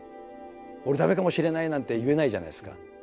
「俺駄目かもしれない」なんて言えないじゃないですか。